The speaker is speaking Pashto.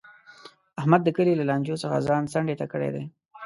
احمد د کلي له لانجو څخه ځان څنډې ته کړی دی.